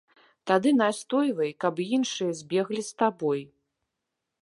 Тады настойвай, каб іншыя збеглі з табой.